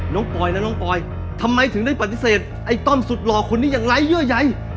ปอยและน้องปอยทำไมถึงได้ปฏิเสธไอ้ต้อมสุดหล่อคนนี้อย่างไร้เยื่อใย